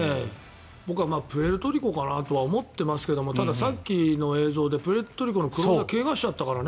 僕はプエルトリコかなとは思ってますけどもただ、さっきの映像でプエルトリコのクローザー怪我しちゃったからね。